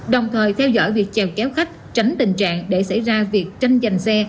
đồng thời theo dõi việc chèo kéo khách tránh tình trạng để xảy ra việc tranh giành xe